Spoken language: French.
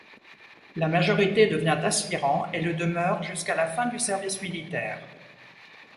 La majorité devient aspirant et le demeure jusqu'à la fin du service militaire.